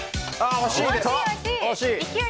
惜しい！